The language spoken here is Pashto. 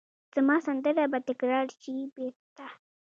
زما سندره به تکرار شي بیرته